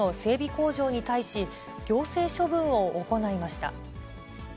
工場に対し、行政処分を行いました。